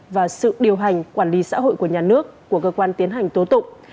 và sự điều hành quản lý xã hội của nhà nước của cơ quan tiến hành tố tụng